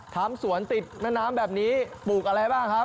ทำสวนติดแม่น้ำแบบนี้ปลูกอะไรบ้างครับ